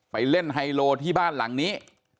ไปเล่นไฮโลที่บ้านหลังนี้